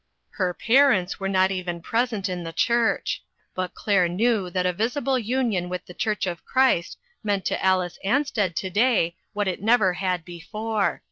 Her parents were not even present in the church. But Claire knew that a visible union with the church of Christ meant to Alice Ansted to day what it never had before.